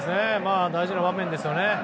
大事な場面ですよね。